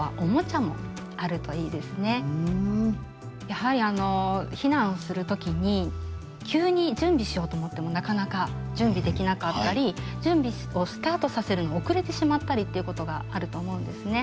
やはり避難をする時に急に準備しようと思ってもなかなか準備できなかったり準備をスタートさせるの遅れてしまったりっていうことがあると思うんですね。